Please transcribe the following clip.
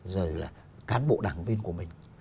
rồi là cán bộ đảng viên của mình